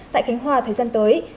tại khánh hòa thời gian tới